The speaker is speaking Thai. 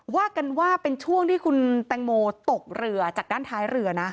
ว่ากันว่าเป็นช่วงที่คุณแตงโมตกเรือจากด้านท้ายเรือนะ